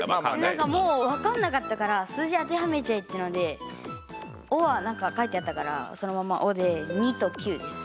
何かもう分かんなかったから数字当てはめちゃえっていうので「お」は書いてあったからそのまんま「お」で２と９です。